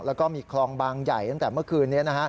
แล้วก็มีคลองบางใหญ่ตั้งแต่เมื่อคืนนี้